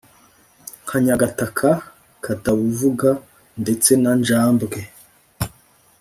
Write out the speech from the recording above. nka nyagataka , katabuvuga ndetse na njambwe